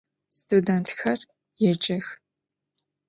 Studêntxer yêcex.